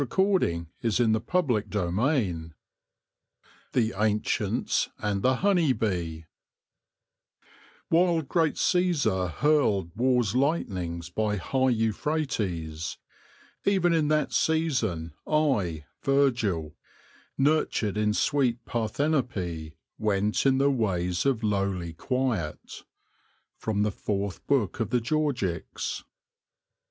Root. THE LORE OF THE HONEY BEE CHAPTER I THE ANCIENTS AND THE HONEY BEE " While great Csesar hurled War's lightnings by high Euphrates, ... even in that season I, Virgil, nurtured in sweet Parthenope, went in the ways of lowly Quiet." — Fourth Book of the Georgics.